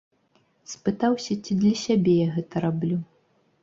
Спытаўся, ці для сябе я гэта раблю.